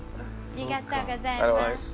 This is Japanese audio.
ありがとうございます。